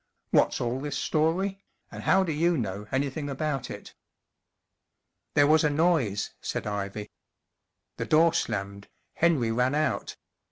44 What's all this story ? And how do you know anything about it ?" 44 There w*as a noise," said Ivy. 44 The door slammed—Henry ran out.